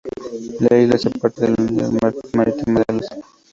La isla hace parte de la unidad marítima de Alaska.